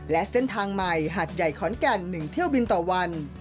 และเส้นทางใหม่หาดใหญ่ขอนแก่น๑เที่ยวบินต่อวัน